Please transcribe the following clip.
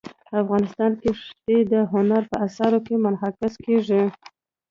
افغانستان کې ښتې د هنر په اثار کې منعکس کېږي.